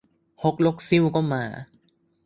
ฮกลกซิ่วก็มา !